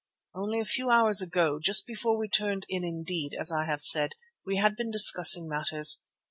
Only a few hours ago, just before we turned in indeed, as I have said, we had been discussing matters.